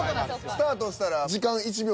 スタートしたら。